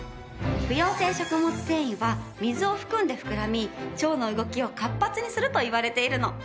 不溶性食物繊維は水を含んで膨らみ腸の動きを活発にするといわれているの。